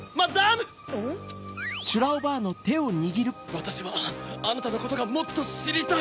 わたしはあなたのことがもっとしりたい。